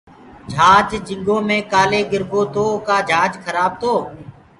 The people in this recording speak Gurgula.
جھاج جھنٚگو مي ڪآلي دُبرو تو ڪآ جھاج کرآب تو